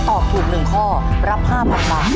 ตอบถูก๓ข้อรับ๑๑๐๐๐ธบ